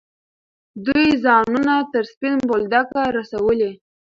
دوی ځانونه تر سپین بولدکه رسولي.